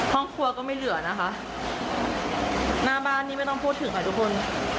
ห้องครัวก็ไม่เหลือนะคะหน้าบ้านนี่ไม่ต้องพูดถึงค่ะทุกคน